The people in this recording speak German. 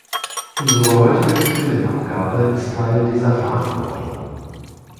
Unsere heutige Stimmenabgabe ist Teil dieser Verantwortung.